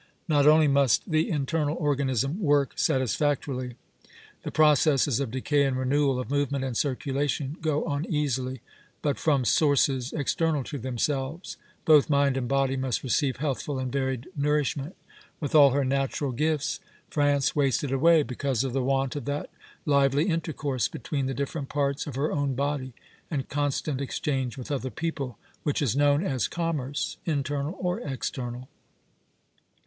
Not only must the internal organism work satisfactorily, the processes of decay and renewal, of movement and circulation, go on easily, but, from sources external to themselves, both mind and body must receive healthful and varied nourishment. With all her natural gifts France wasted away because of the want of that lively intercourse between the different parts of her own body and constant exchange with other people, which is known as commerce, internal or external.